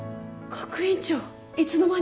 学院長いつの間に？